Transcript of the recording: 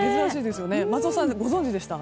松尾さん、ご存じでした？